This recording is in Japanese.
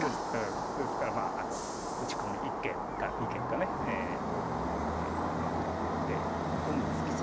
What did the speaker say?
ですから打ち込み一間か二間かまあ打っていくんですけども。